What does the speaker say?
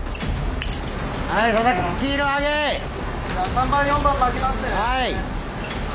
・３番４番巻きますね！